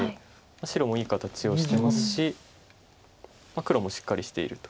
白もいい形をしてますし黒もしっかりしていると。